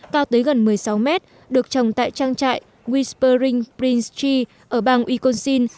cao tới gần một mươi sáu mét được trồng tại trang trại whispering prince tree ở bang econcine